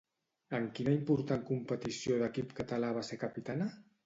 En quina important competició d'equip català va ser capitana?